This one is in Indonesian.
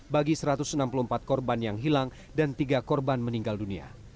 bagi satu ratus enam puluh empat korban yang hilang dan tiga korban meninggal dunia